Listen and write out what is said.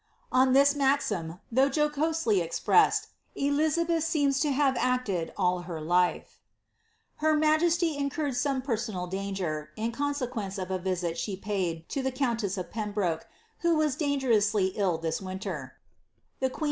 On this ma\im, though jocosel} presseil, Elizabeth seems to have acted all her life. Her mnjesiy incurred some personal danger, in consequence of a ahe paid to ihe countess of Pembroke, who was dangerously ill ' Loelfics II lustra I ions.